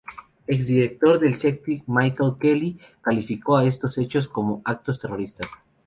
Ex director del Celtic Michael Kelly, calificó estos hechos como "actos terroristas".